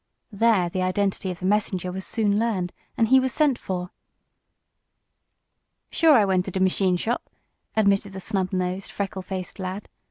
There the identity of the messenger was soon learned, and he was sent for. "Sure, I went to de machine shop," admitted the snub nosed, freckled faced lad.